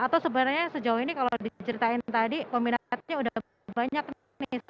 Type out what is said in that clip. atau sebenarnya sejauh ini kalau diceritain tadi peminatnya udah banyak nih